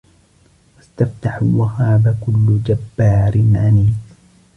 واستفتحوا وخاب كل جبار عنيد